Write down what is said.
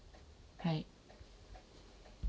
はい。